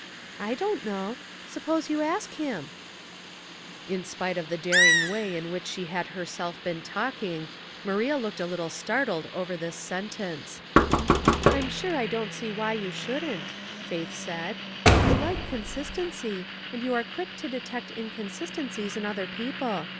"" I don't know. Suppose you ask him ?" In spite of the daring way in which she had herself been talking, Maria looked a little startled over this sentence. Theology in the Kitchen* 315 " I'm sure I don't see why you shouldn't," Faith said. " You like consistency, and you are quick to detect inconsistencies in other people.